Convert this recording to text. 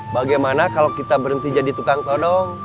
bagaimana kalau kita berhenti jadi tukang todong